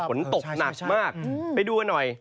มันตกหนักมากไปดูค่ะหน่อย